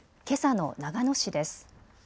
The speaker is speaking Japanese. けさの長野市です。